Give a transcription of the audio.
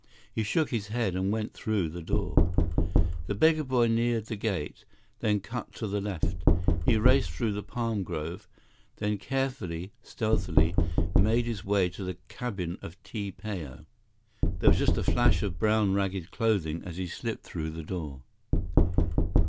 He shook his head and went through the door. The beggar boy neared the gate, then cut to the left. He raced through the palm grove, then carefully, stealthily, made his way to the cabin of Ti Pao. There was just a flash of brown, ragged clothing as he slipped through the door.